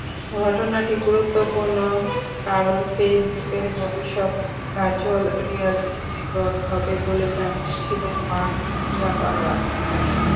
ঘটনাটি গুরুত্বপূর্ণ কারণ ফেসবুকের ভবিষ্যৎ ভার্চ্যুয়াল রিয়ালিটি-নির্ভর হবে বলে জানিয়েছিলেন মার্ক জাকারবার্গ।